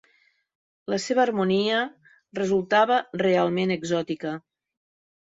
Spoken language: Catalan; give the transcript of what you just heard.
La seva harmonia resultava realment exòtica.